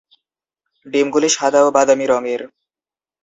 ডিমগুলি সাদা ও বাদামি রঙের।